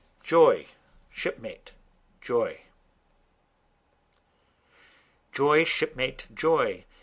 Joy, Shipmate, Joy! Joy, shipmate, Joy!